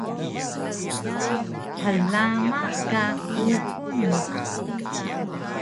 Hlama ka kuxul mu